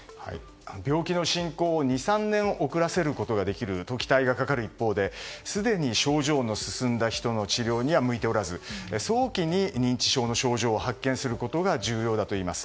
病気の進行を２３年遅らせることができると期待できる一方ですでに症状が進んだ方には向いておらず早期に認知症の症状を発見することが重要だといいます。